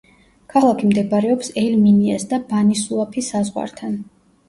ქალაქი მდებარეობს ელ-მინიას და ბანი-სუაფი საზღვართან.